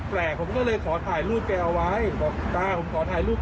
บอกตาผมขอถ่ายรูปตาหน่อยนะเก็บไว้เป็นที่ละลึก